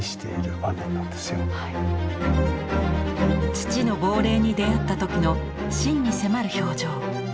父の亡霊に出会った時の真に迫る表情。